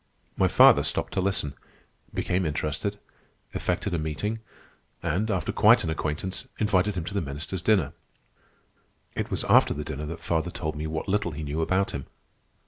My father stopped to listen, became interested, effected a meeting, and, after quite an acquaintance, invited him to the ministers' dinner. It was after the dinner that father told me what little he knew about him.